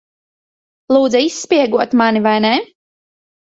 Lūdza izspiegot mani, vai ne?